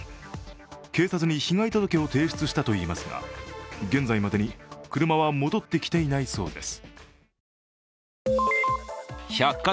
警察に被害届を提出したといいますが現在までに車は戻ってきていないそうです。